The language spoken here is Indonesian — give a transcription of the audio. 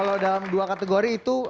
kalau dalam dua kategori itu